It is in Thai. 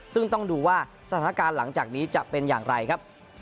ซึ่งต้องดูว่าสถานการณ์หลังจากนี้จะเป็นอย่างไรครับ